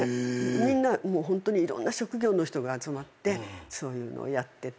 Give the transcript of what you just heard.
みんなホントにいろんな職業の人が集まってそういうのをやってて。